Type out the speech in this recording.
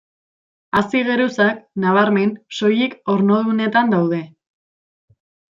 Hazi geruzak, nabarmen, soilik ornodunetan daude.